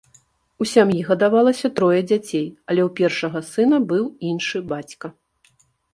У сям'і гадавалася трое дзяцей, але ў першага сына быў іншы бацька.